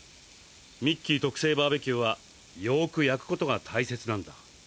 ミッキー特製バーベキューはよく焼くことが大切なんだ。